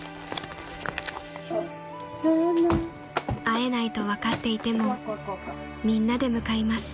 ［会えないと分かっていてもみんなで向かいます］